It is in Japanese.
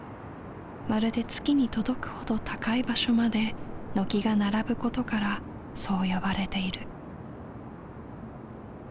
まるで月に届くほど高い場所まで軒が並ぶことからそう呼ばれている。